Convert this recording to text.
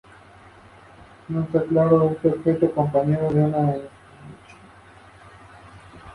Muchas de estas obras fueron muy reeditadas, y además escribió artículos en revistas científicas.